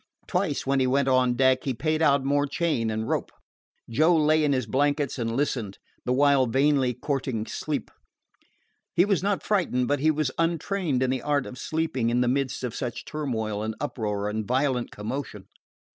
Twice, when he went on deck, he paid out more chain and rope. Joe lay in his blankets and listened, the while vainly courting sleep. He was not frightened, but he was untrained in the art of sleeping in the midst of such turmoil and uproar and violent commotion.